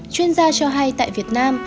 chuyên gia cho hay tại việt nam